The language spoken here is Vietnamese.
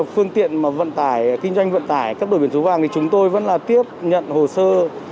phương tiện mà vận tải kinh doanh vận tải cấp đổi biển số vàng thì chúng tôi vẫn là tiếp nhận hồ sơ